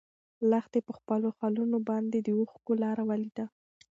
لښتې په خپلو خالونو باندې د اوښکو لاره ولیده.